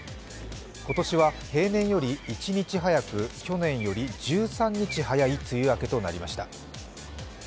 今年は平年より１日早く、去年より１３日早い梅雨明けとなりました。